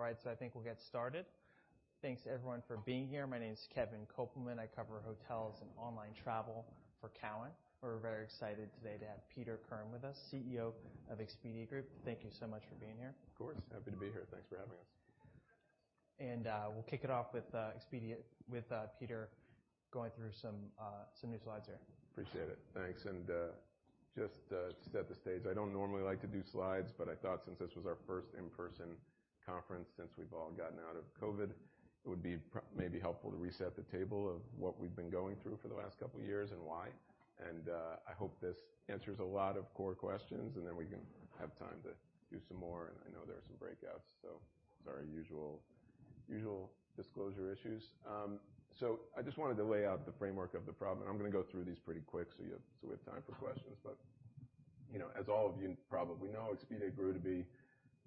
All right, I think we'll get started. Thanks, everyone, for being here. My name is Kevin Kopelman. I cover hotels and online travel for Cowen. We're very excited today to have Peter Kern with us, Chief Executive Officer of Expedia Group. Thank you so much for being here. Of course. Happy to be here. Thanks for having us. We'll kick it off with Expedia with Peter going through some new slides here. Appreciate it. Thanks. Just to set the stage, I don't normally like to do slides, but I thought since this was our first in-person conference since we've all gotten out of COVID, it would be maybe helpful to reset the table of what we've been going through for the last couple of years and why. I hope this answers a lot of core questions, and then we can have time to do some more. I know there are some breakouts, so. These are our usual disclosure issues. I just wanted to lay out the framework of the problem. I'm gonna go through these pretty quick, so we have time for questions. You know, as all of you probably know, Expedia grew to be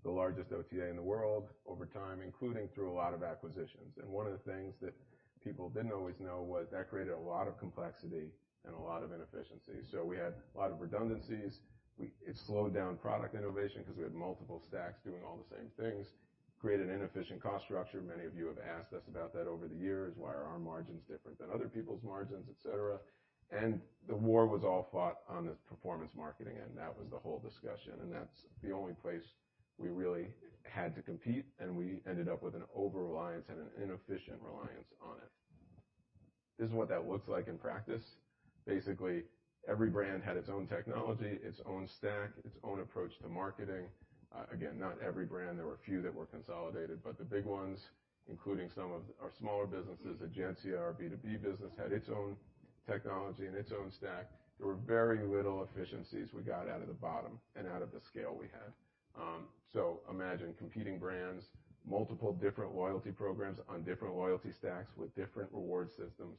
the largest OTA in the world over time, including through a lot of acquisitions. One of the things that people didn't always know was that created a lot of complexity and a lot of inefficiencies. We had a lot of redundancies. It slowed down product innovation 'cause we had multiple stacks doing all the same things, created inefficient cost structure. Many of you have asked us about that over the years. Why are our margins different than other people's margins, et cetera? The war was all fought on this performance marketing, and that was the whole discussion. That's the only place we really had to compete, and we ended up with an over-reliance and an inefficient reliance on it. This is what that looks like in practice. Basically, every brand had its own technology, its own stack, its own approach to marketing. Again, not every brand. There were a few that were consolidated, but the big ones, including some of our smaller businesses, Egencia, our B2B business, had its own technology and its own stack. There were very little efficiencies we got out of the bottom and out of the scale we had. Imagine competing brands, multiple different loyalty programs on different loyalty stacks with different reward systems,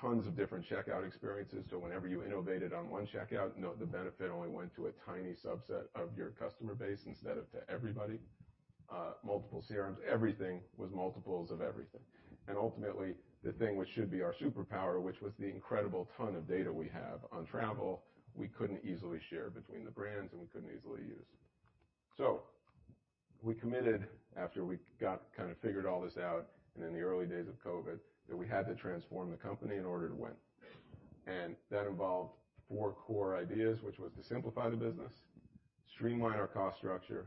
tons of different checkout experiences. Whenever you innovated on one checkout, the benefit only went to a tiny subset of your customer base instead of to everybody. Multiple CRMs. Everything was multiples of everything. Ultimately, the thing which should be our superpower, which was the incredible ton of data we have on travel, we couldn't easily share between the brands, and we couldn't easily use. We committed, after we figured all this out and in the early days of COVID, that we had to transform the company in order to win. That involved four core ideas, which was to simplify the business, streamline our cost structure,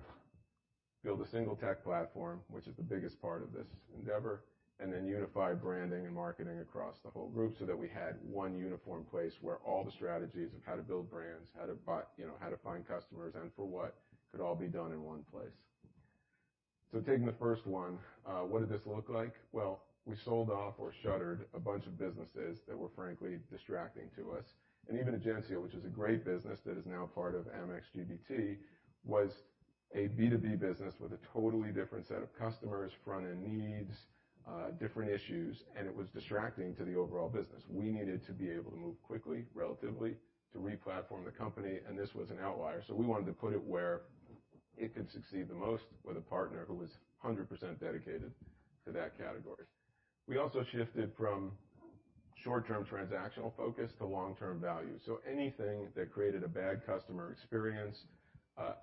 build a single tech platform, which is the biggest part of this endeavor, and then unify branding and marketing across the whole group so that we had one uniform place where all the strategies of how to build brands, how to buy, you know, how to find customers and for what could all be done in one place. Taking the first one, what did this look like? Well, we sold off or shuttered a bunch of businesses that were, frankly, distracting to us. Even Egencia, which is a great business that is now part of Amex GBT, was a B2B business with a totally different set of customers, front-end needs, different issues, and it was distracting to the overall business. We needed to be able to move quickly, relatively, to re-platform the company, and this was an outlier. We wanted to put it where it could succeed the most with a partner who was 100% dedicated to that category. We also shifted from short-term transactional focus to long-term value. Anything that created a bad customer experience,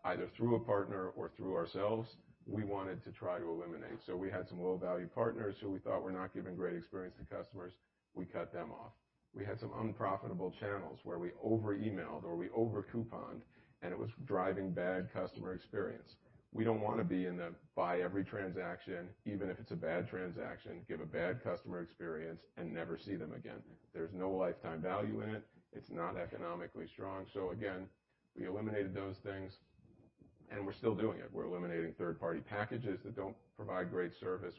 either through a partner or through ourselves, we wanted to try to eliminate. We had some low-value partners who we thought were not giving great experience to customers. We cut them off. We had some unprofitable channels where we over-emailed or we over-couponed, and it was driving bad customer experience. We don't want to be in the business of buying every transaction, even if it's a bad transaction, give a bad customer experience, and never see them again. There's no lifetime value in it. It's not economically strong. Again, we eliminated those things, and we're still doing it. We're eliminating third-party packages that don't provide great service.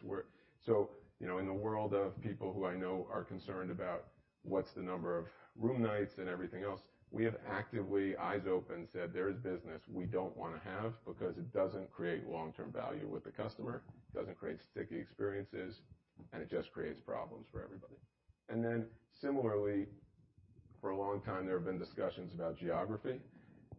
You know, in the world of people who I know are concerned about what's the number of room nights and everything else, we have actively, eyes open, said there is business we don't want to have because it doesn't create long-term value with the customer, doesn't create sticky experiences, and it just creates problems for everybody. Then similarly, for a long time, there have been discussions about geography.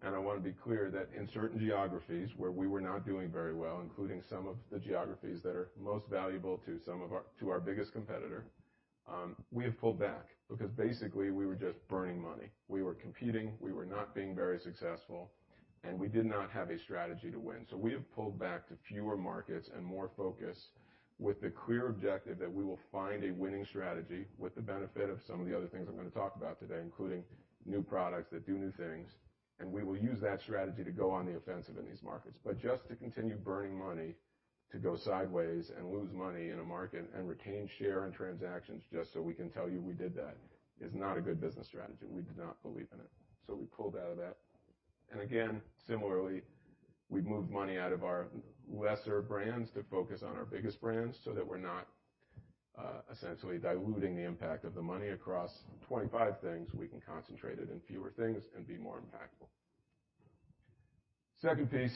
I wanna be clear that in certain geographies where we were not doing very well, including some of the geographies that are most valuable to our biggest competitor, we have pulled back because basically, we were just burning money. We were competing. We were not being very successful. We did not have a strategy to win. We have pulled back to fewer markets and more focus with the clear objective that we will find a winning strategy with the benefit of some of the other things I'm gonna talk about today, including new products that do new things, and we will use that strategy to go on the offensive in these markets. Just to continue burning money to go sideways and lose money in a market and retain share and transactions just so we can tell you we did that is not a good business strategy. We did not believe in it, so we pulled out of that. Again, similarly, we've moved money out of our lesser brands to focus on our biggest brands so that we're not essentially diluting the impact of the money across 25 things. We can concentrate it in fewer things and be more impactful. Second piece,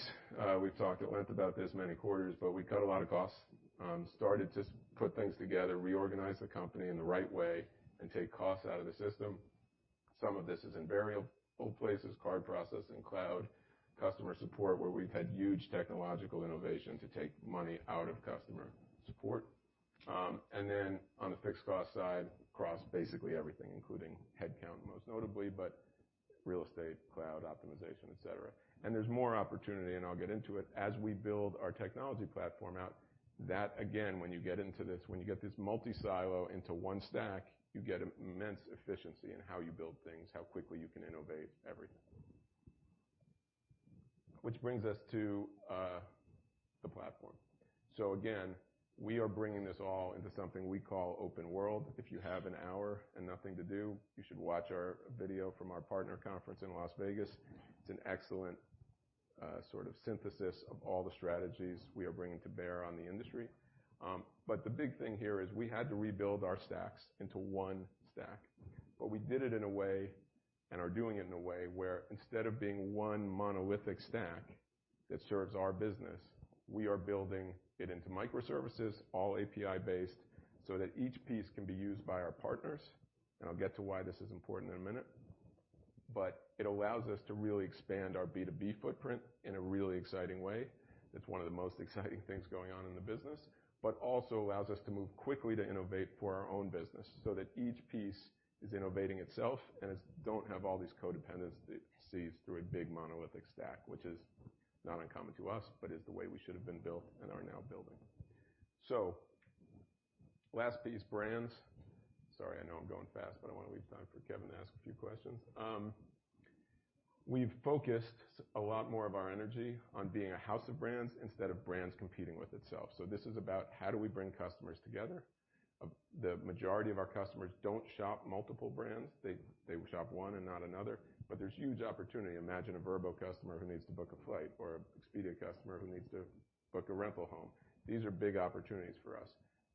we've talked at length about this many quarters, but we cut a lot of costs, started to put things together, reorganize the company in the right way, and take costs out of the system. Some of this is in variable places, card processing, cloud, customer support, where we've had huge technological innovation to take money out of customer support. On the fixed cost side, across basically everything, including headcount, most notably, but real estate, cloud optimization, et cetera. There's more opportunity, and I'll get into it. As we build our technology platform out, that again, when you get into this, when you get this multi silo into one stack, you get immense efficiency in how you build things, how quickly you can innovate, everything. Which brings us to the platform. Again, we are bringing this all into something we call Open World. If you have an hour and nothing to do, you should watch our video from our partner conference in Las Vegas. It's an excellent sort of synthesis of all the strategies we are bringing to bear on the industry. The big thing here is we had to rebuild our stacks into one stack. We did it in a way, and are doing it in a way, where instead of being one monolithic stack that serves our business, we are building it into microservices, all API-based, so that each piece can be used by our partners, and I'll get to why this is important in a minute. It allows us to really expand our B2B footprint in a really exciting way. It's one of the most exciting things going on in the business, but also allows us to move quickly to innovate for our own business, so that each piece is innovating itself, and we don't have all these codependencies through a big monolithic stack, which is not uncommon to us, but is the way we should have been built and are now building. Last piece, brands. Sorry, I know I'm going fast, but I want to leave time for Kevin to ask a few questions. We've focused a lot more of our energy on being a house of brands instead of brands competing with itself. This is about how do we bring customers together. The majority of our customers don't shop multiple brands. They shop one and not another. There's huge opportunity. Imagine a Vrbo customer who needs to book a flight or an Expedia customer who needs to book a rental home. These are big opportunities for us,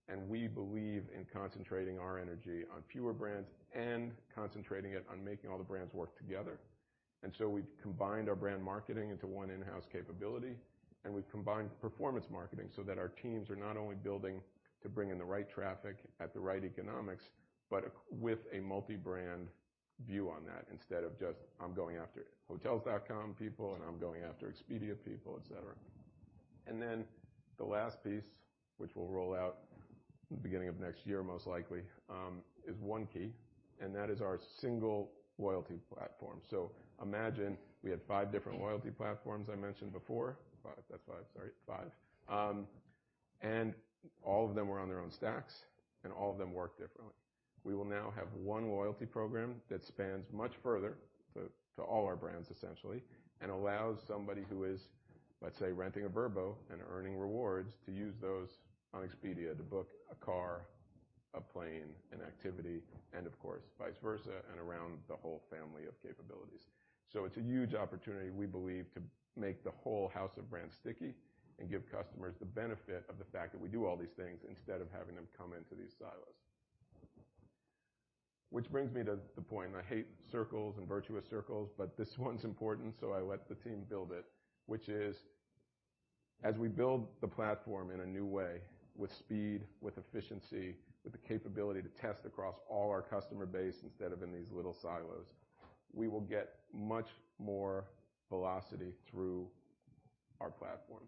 and we believe in concentrating our energy on fewer brands and concentrating it on making all the brands work together. We've combined our brand marketing into one in-house capability, and we've combined performance marketing so that our teams are not only building to bring in the right traffic at the right economics, but with a multi-brand view on that instead of just, "I'm going after Hotels.com people, and I'm going after Expedia people," et cetera. The last piece, which we'll roll out the beginning of next year, most likely, is One Key, and that is our single loyalty platform. Imagine we had five different loyalty platforms I mentioned before. Five. All of them were on their own stacks, and all of them worked differently. We will now have one loyalty program that spans much further to all our brands, essentially, and allows somebody who is, let's say, renting a Vrbo and earning rewards to use those on Expedia to book a car, a plane, an activity, and of course vice versa, and around the whole family of capabilities. It's a huge opportunity, we believe, to make the whole house of brands sticky and give customers the benefit of the fact that we do all these things instead of having them come into these silos. Which brings me to the point, and I hate circles and virtuous circles, but this one's important, so I let the team build it, which is as we build the platform in a new way with speed, with efficiency, with the capability to test across all our customer base instead of in these little silos, we will get much more velocity through our platform.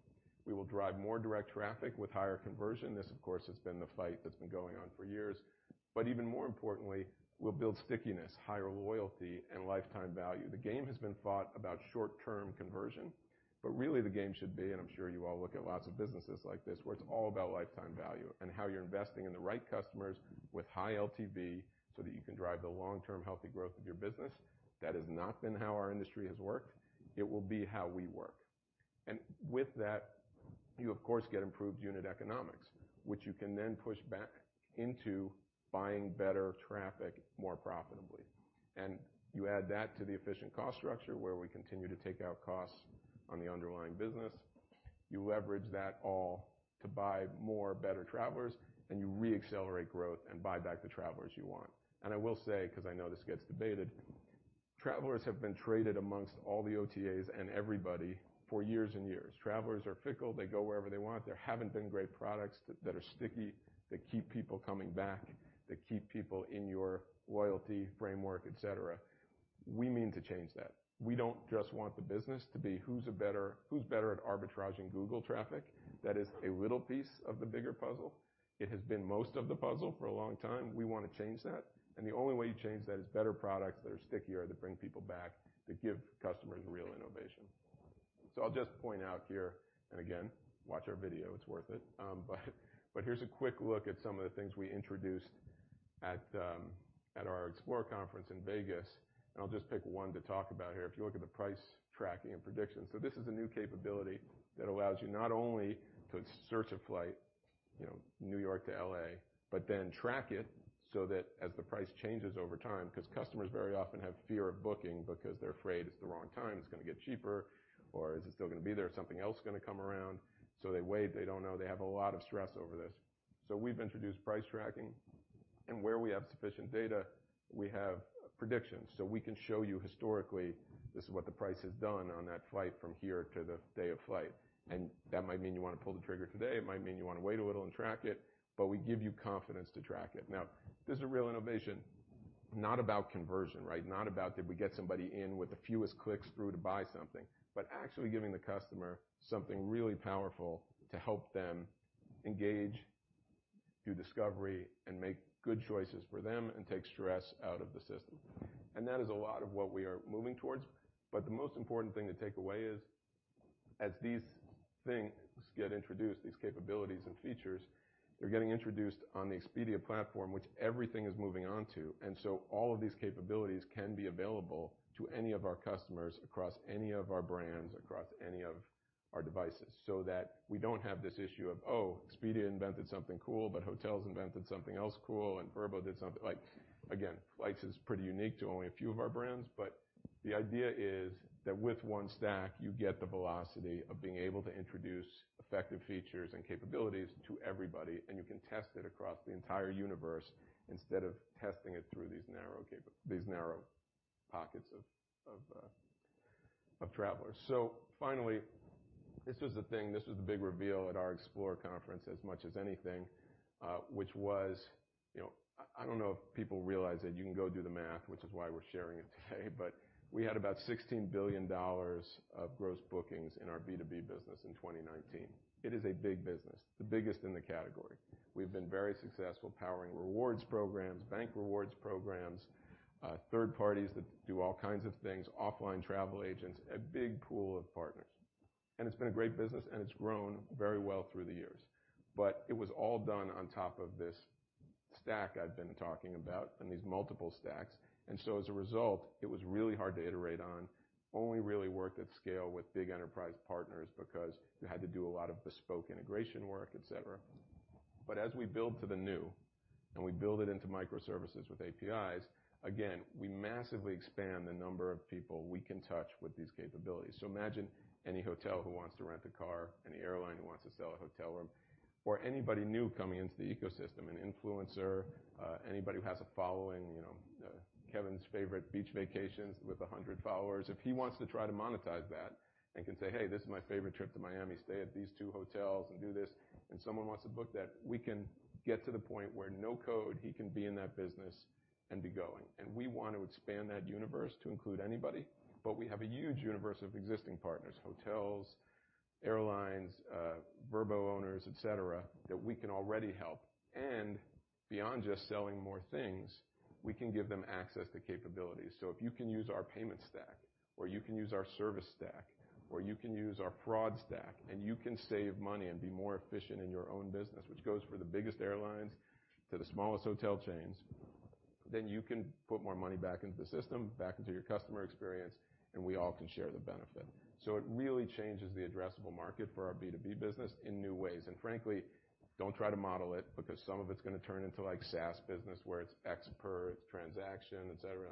We will drive more direct traffic with higher conversion. This, of course, has been the fight that's been going on for years. But even more importantly, we'll build stickiness, higher loyalty, and lifetime value. The game has been thought about short-term conversion, but really the game should be, and I'm sure you all look at lots of businesses like this, where it's all about lifetime value and how you're investing in the right customers with high LTV so that you can drive the long-term healthy growth of your business. That has not been how our industry has worked. It will be how we work. With that, you of course get improved unit economics, which you can then push back into buying better traffic more profitably. You add that to the efficient cost structure, where we continue to take out costs on the underlying business. You leverage that all to buy more better travelers, and you re-accelerate growth and buy back the travelers you want. I will say, 'cause I know this gets debated, travelers have been traded amongst all the OTAs and everybody for years and years. Travelers are fickle. They go wherever they want. There haven't been great products that are sticky, that keep people coming back, that keep people in your loyalty framework, et cetera. We mean to change that. We don't just want the business to be who's better at arbitraging Google traffic. That is a little piece of the bigger puzzle. It has been most of the puzzle for a long time. We wanna change that, and the only way you change that is better products that are stickier, that bring people back, that give customers real innovation. I'll just point out here, and again, watch our video, it's worth it. Here's a quick look at some of the things we introduced at our EXPLORE conference in Vegas. I'll just pick one to talk about here. If you look at the price tracking and prediction. This is a new capability that allows you not only to search a flight, you know, New York to LA, but then track it so that as the price changes over time, 'cause customers very often have fear of booking because they're afraid it's the wrong time, it's gonna get cheaper, or is it still gonna be there, is something else gonna come around? They wait. They don't know. They have a lot of stress over this. We've introduced price tracking, and where we have sufficient data, we have predictions. We can show you historically, this is what the price has done on that flight from here to the day of flight. That might mean you wanna pull the trigger today, it might mean you wanna wait a little and track it, but we give you confidence to track it. Now, this is a real innovation, not about conversion, right? Not about, did we get somebody in with the fewest clicks through to buy something, but actually giving the customer something really powerful to help them engage in discovery and make good choices for them and take stress out of the system. That is a lot of what we are moving towards. The most important thing to take away is, as these things get introduced, these capabilities and features, they're getting introduced on the Expedia platform, which everything is moving on to. All of these capabilities can be available to any of our customers across any of our brands, across any of our devices, so that we don't have this issue of, oh, Expedia invented something cool, but Hotels invented something else cool, and Vrbo did something. Like again, Flights is pretty unique to only a few of our brands, but the idea is that with one stack, you get the velocity of being able to introduce effective features and capabilities to everybody, and you can test it across the entire universe instead of testing it through these narrow pockets of travelers. Finally, this was the thing. This was the big reveal at our EXPLORE conference as much as anything, which was, you know, I don't know if people realize it, you can go do the math, which is why we're sharing it today, but we had about $16 billion of gross bookings in our B2B business in 2019. It is a big business, the biggest in the category. We've been very successful powering rewards programs, bank rewards programs, third parties that do all kinds of things, offline travel agents, a big pool of partners. It's been a great business, and it's grown very well through the years. It was all done on top of this stack I've been talking about and these multiple stacks. As a result, it was really hard to iterate on. Only really worked at scale with big enterprise partners because you had to do a lot of bespoke integration work, et cetera. As we build to the new and we build it into microservices with APIs, again, we massively expand the number of people we can touch with these capabilities. Imagine any hotel who wants to rent a car, any airline who wants to sell a hotel room, or anybody new coming into the ecosystem, an influencer, anybody who has a following, you know, Kevin's favorite beach vacations with 100 followers. If he wants to try to monetize that and can say, "Hey, this is my favorite trip to Miami. Stay at these two hotels and do this," and someone wants to book that, we can get to the point where no code, he can be in that business and be going. We want to expand that universe to include anybody. We have a huge universe of existing partners, hotels, airlines, Vrbo owners, et cetera, that we can already help. Beyond just selling more things, we can give them access to capabilities. If you can use our payment stack, or you can use our service stack, or you can use our fraud stack, and you can save money and be more efficient in your own business, which goes for the biggest airlines to the smallest hotel chains, then you can put more money back into the system, back into your customer experience, and we all can share the benefit. It really changes the addressable market for our B2B business in new ways. Frankly, don't try to model it because some of it's gonna turn into like SaaS business where it's X per transaction, et cetera.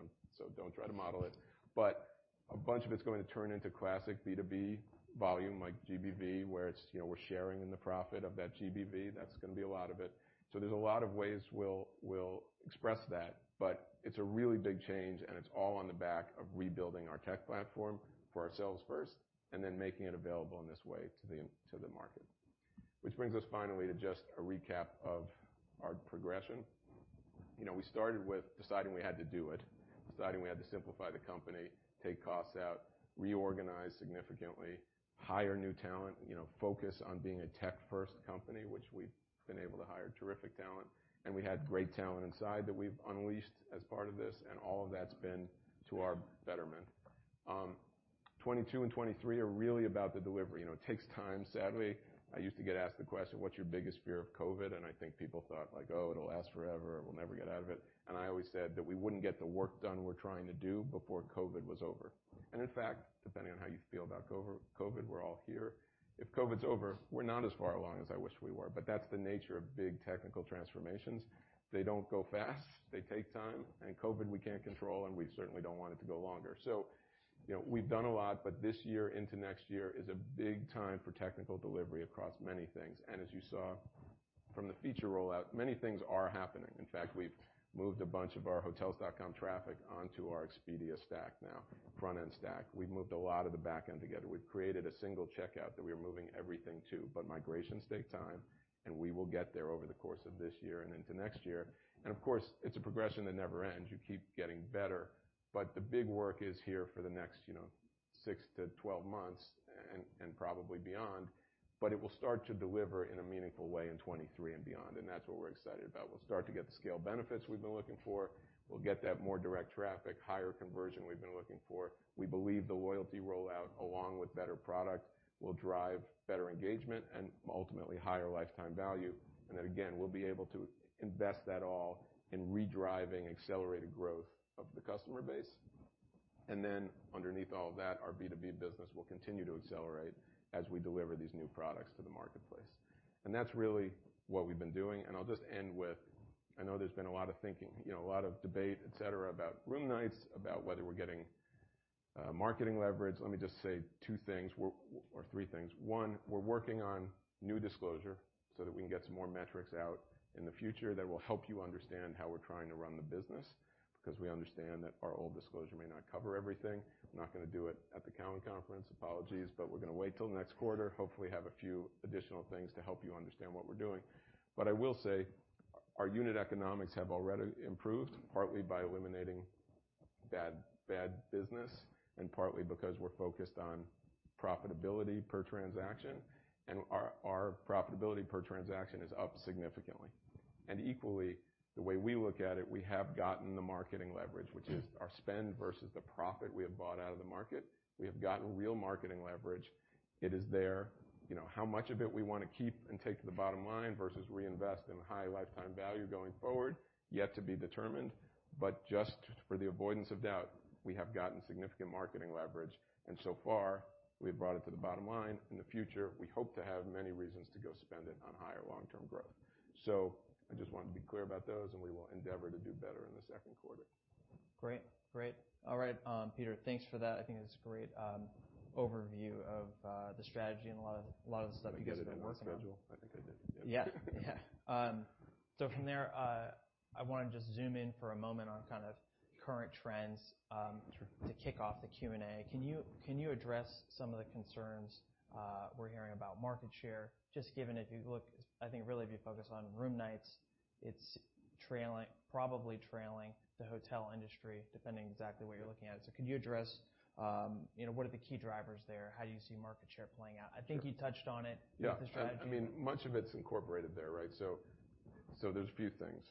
Don't try to model it. A bunch of it's going to turn into classic B2B volume like GBV, where it's, you know, we're sharing in the profit of that GBV. That's gonna be a lot of it. There's a lot of ways we'll express that, but it's a really big change, and it's all on the back of rebuilding our tech platform for ourselves first, and then making it available in this way to the, to the market. Which brings us finally to just a recap of our progression. You know, we started with deciding we had to do it, deciding we had to simplify the company, take costs out, reorganize significantly, hire new talent, you know, focus on being a tech-first company, which we've been able to hire terrific talent. We had great talent inside that we've unleashed as part of this, and all of that's been to our betterment. 2022 and 2023 are really about the delivery. You know, it takes time, sadly. I used to get asked the question, "What's your biggest fear of COVID?" I think people thought like, "Oh, it'll last forever. We'll never get out of it." I always said that we wouldn't get the work done we're trying to do before COVID was over. In fact, depending on how you feel about COVID, we're all here. If COVID's over, we're not as far along as I wish we were. That's the nature of big technical transformations. They don't go fast. They take time. COVID, we can't control, and we certainly don't want it to go longer. You know, we've done a lot, but this year into next year is a big time for technical delivery across many things. As you saw from the feature rollout, many things are happening. In fact, we've moved a bunch of our Hotels.com traffic onto our Expedia stack now, front-end stack. We've moved a lot of the back-end together. We've created a single checkout that we are moving everything to, but migrations take time, and we will get there over the course of this year and into next year. Of course, it's a progression that never ends. You keep getting better. The big work is here for the next, you know, 6-12 months and probably beyond. It will start to deliver in a meaningful way in 2023 and beyond, and that's what we're excited about. We'll start to get the scale benefits we've been looking for. We'll get that more direct traffic, higher conversion we've been looking for. We believe the loyalty rollout, along with better product, will drive better engagement and ultimately higher lifetime value. We'll be able to invest that all in redriving accelerated growth of the customer base. Underneath all of that, our B2B business will continue to accelerate as we deliver these new products to the marketplace. That's really what we've been doing. I'll just end with, I know there's been a lot of thinking, you know, a lot of debate, et cetera, about room nights, about whether we're getting, marketing leverage. Let me just say two things or three things. One, we're working on new disclosure so that we can get some more metrics out in the future that will help you understand how we're trying to run the business, because we understand that our old disclosure may not cover everything. I'm not gonna do it at the Cowen conference. Apologies, but we're gonna wait till next quarter. Hopefully, have a few additional things to help you understand what we're doing. I will say our unit economics have already improved, partly by eliminating bad business, and partly because we're focused on profitability per transaction, and our profitability per transaction is up significantly. Equally, the way we look at it, we have gotten the marketing leverage, which is our spend versus the profit we have bought out of the market. We have gotten real marketing leverage. It is there. You know, how much of it we wanna keep and take to the bottom line versus reinvest in high lifetime value going forward, yet to be determined. Just for the avoidance of doubt, we have gotten significant marketing leverage. So far, we've brought it to the bottom line. In the future, we hope to have many reasons to go spend it on higher long-term growth. I just wanted to be clear about those, and we will endeavor to do better in the second quarter. Great. All right, Peter, thanks for that. I think that's a great overview of the strategy and a lot of the stuff you've been working on. Did I get it in our schedule? I think I did. Yeah. From there, I wanna just zoom in for a moment on kind of current trends. Sure. To kick off the Q&A. Can you address some of the concerns we're hearing about market share, just given if you look, I think really if you focus on room nights, it's probably trailing the hotel industry, depending on exactly where you're looking at. Could you address, you know, what are the key drivers there? How do you see market share playing out? Sure. I think you touched on it. Yeah. With the strategy. I mean, much of it's incorporated there, right? There's a few things.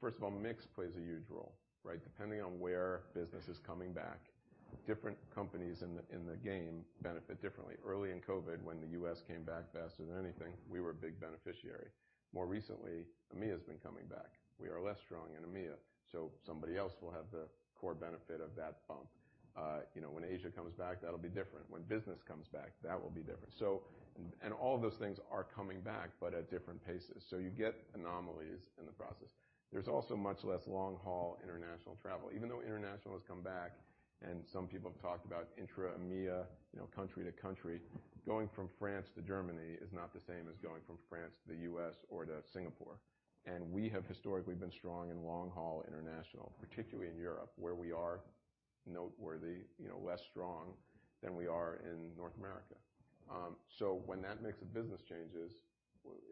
First of all, mix plays a huge role, right? Depending on where business is coming back, different companies in the game benefit differently. Early in COVID, when the U.S. came back faster than anything, we were a big beneficiary. More recently, EMEA has been coming back. We are less strong in EMEA, so somebody else will have the core benefit of that bump. You know, when Asia comes back, that'll be different. When business comes back, that will be different. All of those things are coming back, but at different paces. You get anomalies in the process. There's also much less long-haul international travel. Even though international has come back, and some people have talked about intra-EMEA, you know, country to country, going from France to Germany is not the same as going from France to the U.S. or to Singapore. We have historically been strong in long-haul international, particularly in Europe, where we are notably, you know, less strong than we are in North America. So when that mix of business changes,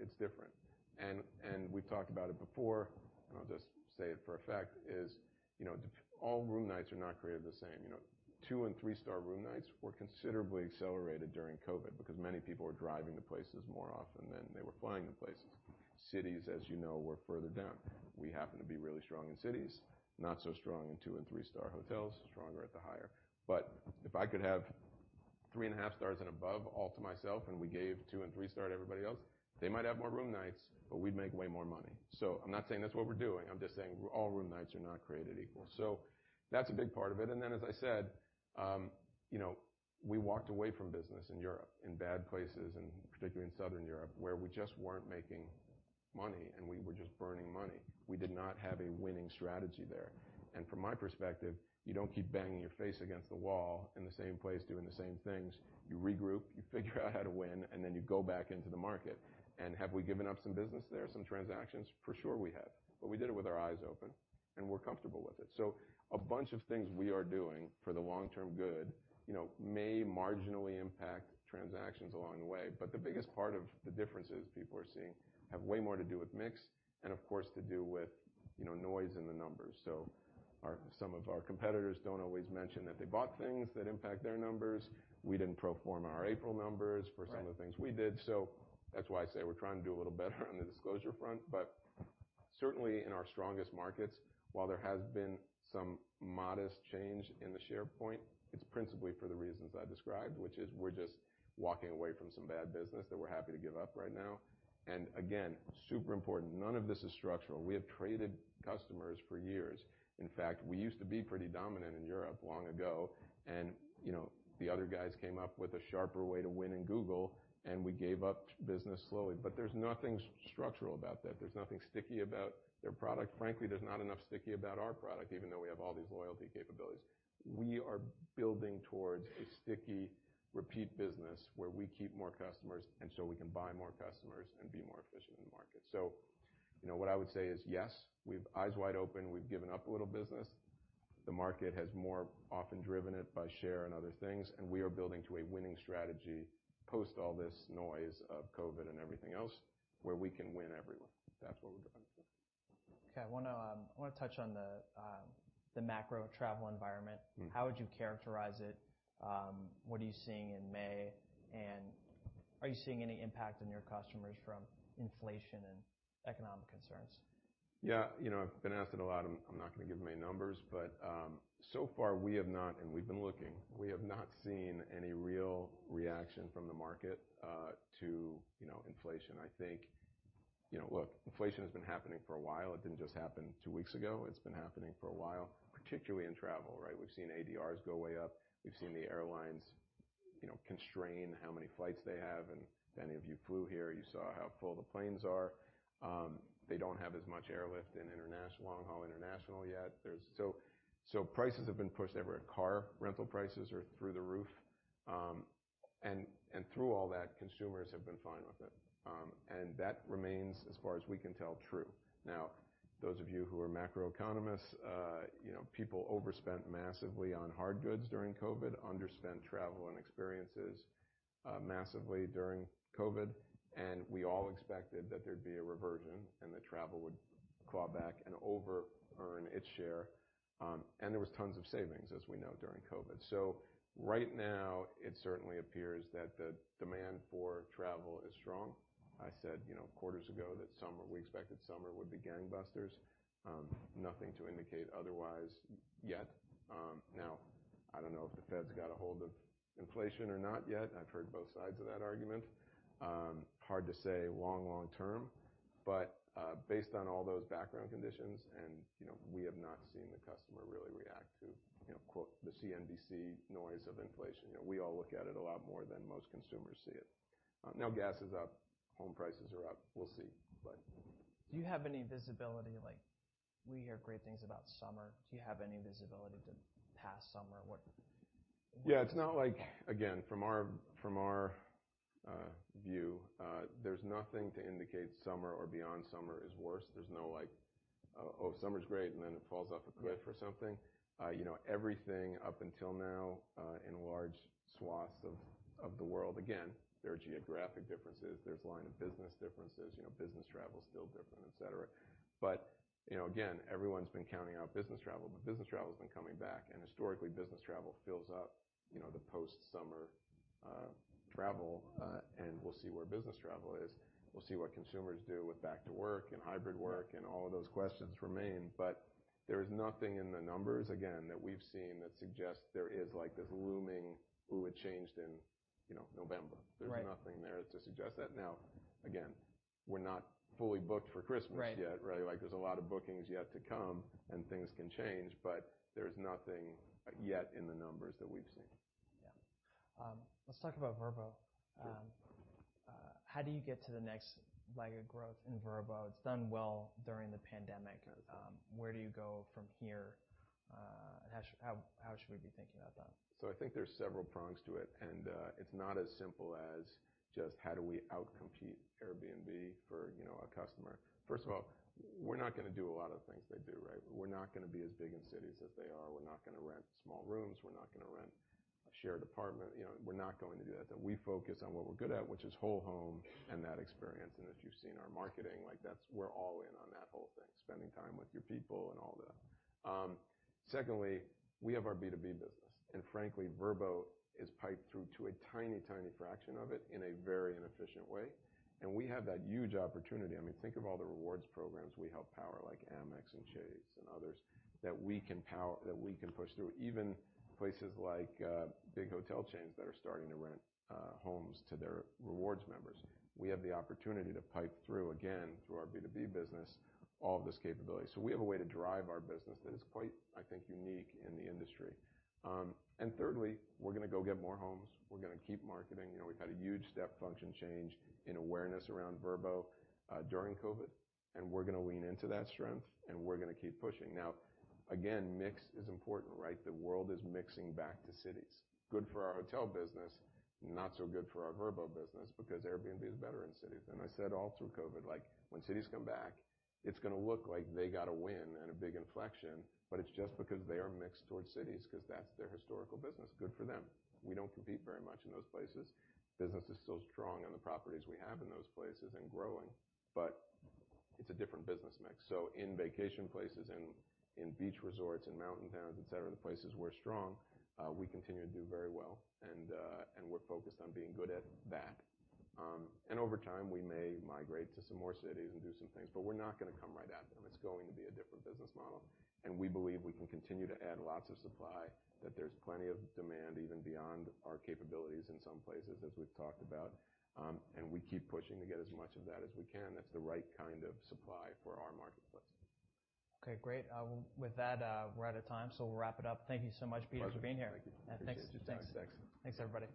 it's different. We've talked about it before, and I'll just say it for a fact, you know, all room nights are not created the same. You know, two- and three-star room nights were considerably accelerated during COVID because many people were driving to places more often than they were flying to places. Cities, as you know, were further down. We happen to be really strong in cities, not so strong in two and three-star hotels, stronger at the higher. If I could have 3.5 stars and above all to myself, and we gave two and three-star to everybody else, they might have more room nights, but we'd make way more money. I'm not saying that's what we're doing, I'm just saying all room nights are not created equal. That's a big part of it. As I said, you know, we walked away from business in Europe in bad places, and particularly in Southern Europe, where we just weren't making money, and we were just burning money. We did not have a winning strategy there. From my perspective, you don't keep banging your face against the wall in the same place, doing the same things. You regroup, you figure out how to win, and then you go back into the market. Have we given up some business there, some transactions? For sure, we have. We did it with our eyes open, and we're comfortable with it. A bunch of things we are doing for the long-term good, you know, may marginally impact transactions along the way. The biggest part of the differences people are seeing have way more to do with mix and, of course, to do with, you know, noise in the numbers. Some of our competitors don't always mention that they bought things that impact their numbers. We didn't pro forma our April numbers for some of the things we did. Right. That's why I say we're trying to do a little better on the disclosure front. Certainly, in our strongest markets, while there has been some modest change in the share point, it's principally for the reasons I described, which is we're just walking away from some bad business that we're happy to give up right now. Again, super important, none of this is structural. We have traded customers for years. In fact, we used to be pretty dominant in Europe long ago. You know, the other guys came up with a sharper way to win in Google, and we gave up business slowly. There's nothing structural about that. There's nothing sticky about their product. Frankly, there's not enough sticky about our product, even though we have all these loyalty capabilities. We are building towards a sticky repeat business where we keep more customers, and so we can buy more customers and be more efficient in the market. You know, what I would say is, yes, we've eyes wide open. We've given up a little business. The market has more often driven it by share and other things, and we are building to a winning strategy post all this noise of COVID and everything else, where we can win everywhere. That's what we're going for. Okay. I wanna touch on the macro travel environment. Mm-hmm. How would you characterize it? What are you seeing in May? Are you seeing any impact on your customers from inflation and economic concerns? Yeah. You know, I've been asked it a lot. I'm not gonna give many numbers, but so far, we've been looking. We have not seen any real reaction from the market to, you know, inflation. I think, you know, look, inflation has been happening for a while. It didn't just happen two weeks ago. It's been happening for a while, particularly in travel, right? We've seen ADRs go way up. We've seen the airlines, you know, constrain how many flights they have. If any of you flew here, you saw how full the planes are. They don't have as much airlift in international, long-haul international yet. So prices have been pushed everywhere. Car rental prices are through the roof. Through all that, consumers have been fine with it. That remains, as far as we can tell, true. Now, those of you who are macroeconomists, you know, people overspent massively on hard goods during COVID, underspent travel and experiences. Massively during COVID, and we all expected that there'd be a reversion and that travel would claw back and over earn its share. There was tons of savings, as we know, during COVID. Right now, it certainly appears that the demand for travel is strong. I said, you know, quarters ago that summer, we expected summer would be gangbusters. Nothing to indicate otherwise yet. Now, I don't know if the Fed's got a hold of inflation or not yet. I've heard both sides of that argument. Hard to say long term, but based on all those background conditions and, you know, we have not seen the customer really react to, you know, quote, the CNBC noise of inflation. You know, we all look at it a lot more than most consumers see it. Now gas is up, home prices are up. We'll see. Do you have any visibility to past summer? What- Yeah. It's not like again, from our view, there's nothing to indicate summer or beyond summer is worse. There's no like, summer's great, and then it falls off a cliff or something. You know, everything up until now in large swaths of the world. Again, there are geographic differences. There's line of business differences. You know, business travel is still different, et cetera. You know, again, everyone's been counting out business travel. Business travel has been coming back, and historically, business travel fills up, you know, the post-summer travel, and we'll see where business travel is. We'll see what consumers do with back to work and hybrid work and all of those questions remain. there is nothing in the numbers, again, that we've seen that suggests there is like this looming, "Ooh, it changed in, you know, November. Right. There's nothing there to suggest that. Now, again, we're not fully booked for Christmas yet. Right. Right? Like, there's a lot of bookings yet to come and things can change, but there's nothing yet in the numbers that we've seen. Yeah. Let's talk about Vrbo. How do you get to the next leg of growth in Vrbo? It's done well during the pandemic. Where do you go from here? How should we be thinking about that? I think there's several prongs to it, and it's not as simple as just how do we out-compete Airbnb for, you know, a customer. First of all, we're not gonna do a lot of things they do, right? We're not gonna be as big in cities as they are. We're not gonna rent small rooms. We're not gonna rent a shared apartment. You know, we're not going to do that. That we focus on what we're good at, which is whole home and that experience. If you've seen our marketing, like that's. We're all in on that whole thing, spending time with your people and all that. Secondly, we have our B2B business, and frankly, Vrbo is piped through to a tiny fraction of it in a very inefficient way. We have that huge opportunity. I mean, think of all the rewards programs we help power, like Amex and Chase and others, that we can push through. Even places like big hotel chains that are starting to rent homes to their rewards members. We have the opportunity to pipe through, again, through our B2B business, all of this capability. We have a way to drive our business that is quite, I think, unique in the industry. Thirdly, we're gonna go get more homes. We're gonna keep marketing. You know, we've had a huge step function change in awareness around Vrbo during COVID, and we're gonna lean into that strength, and we're gonna keep pushing. Now, again, mix is important, right? The world is mixing back to cities. Good for our hotel business, not so good for our Vrbo business because Airbnb is better in cities. I said all through COVID, like when cities come back, it's gonna look like they got a win and a big inflection, but it's just because they are mixed towards cities 'cause that's their historical business. Good for them. We don't compete very much in those places. Business is still strong in the properties we have in those places and growing, but it's a different business mix. In vacation places, in beach resorts, in mountain towns, et cetera, the places we're strong, we continue to do very well and we're focused on being good at that. Over time, we may migrate to some more cities and do some things, but we're not gonna come right at them. It's going to be a different business model, and we believe we can continue to add lots of supply, that there's plenty of demand, even beyond our capabilities in some places, as we've talked about. We keep pushing to get as much of that as we can. That's the right kind of supply for our marketplace. Okay, great. With that, we're out of time, so we'll wrap it up. Thank you so much, Peter, for being here. My pleasure. Thank you. Thanks, everybody.